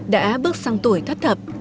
đã bước sang tuổi thất thập